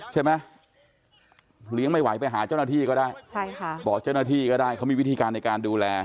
เลี้ยงไม่ไหวไปหาเจ้าหน้าที่ก็ได้ใช่ค่ะบอกเจ้าหน้าที่ก็ได้เขามีวิธีการในการดูแล